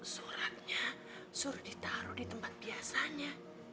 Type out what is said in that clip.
suratnya suruh ditaruh di tempat biasanya